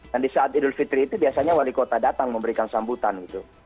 dan di saat idul fitri itu biasanya wali kota datang memberikan sambutan gitu